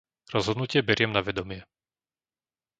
Rozhodnutie beriem na vedomie.